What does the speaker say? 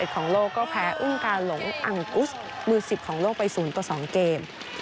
ของโลกก็แพ้อุ้งกาหลงอังกุศมือ๑๐ของโลกไป๐ต่อ๒เกม